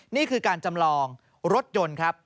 นี่คือการจำลองรถยนต์ครับ